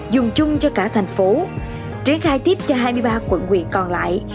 dùng chung cho cả thành phố triển khai tiếp cho hai mươi ba quận nguyện còn lại